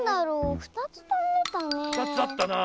２つあったな。